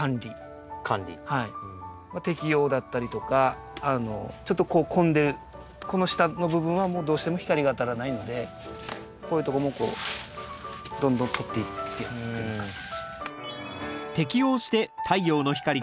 摘葉だったりとかちょっとこう混んでるこの下の部分はもうどうしても光が当たらないのでこういうとこもこうどんどんとっていってやるっていうような感じ。